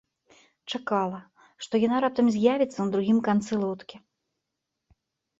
Чакала, што яна раптам з'явіцца на другім канцы лодкі.